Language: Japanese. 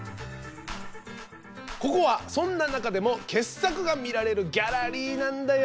ここはそんな中でも傑作が見られるギャラリーなんだよ。